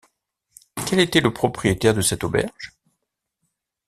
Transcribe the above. Quel était le propriétaire de cette auberge?